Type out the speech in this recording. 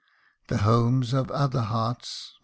The homes of other hearts